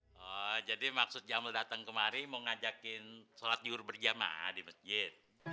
oh jadi maksudnya mau datang kemari mau ngajakin sholat nyuruh berjamaah di masjid